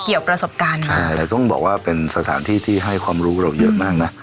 คุณผู้ชมแดกและส่งบอกว่าเป็นสถานที่ที่ให้ความรู้ของเราเยอะมากนะ